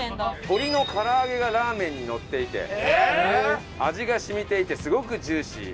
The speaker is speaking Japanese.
鶏の唐揚げがラーメンにのっていて味が染みていてすごくジューシー。